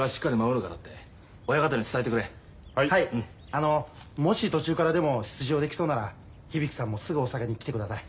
あのもし途中からでも出場できそうなら響さんもすぐ大阪に来てください。